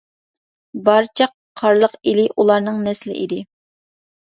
بارچە قارلىق ئېلى ئۇلارنىڭ نەسلى ئىدى.